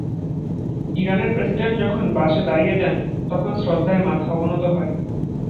ইরানের প্রেসিডেন্ট যখন বাসে দাঁড়িয়ে যান, তখন শ্রদ্ধায় মাথা অবনত হয়।